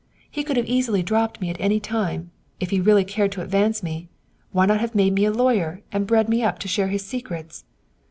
He could have easily dropped me at any time. If he really cared to advance me, why not have made me a lawyer and breed me up to share his secrets?"